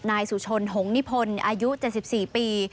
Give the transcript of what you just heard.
นายสุชนหงษ์นิพลอายุ๗๔ปี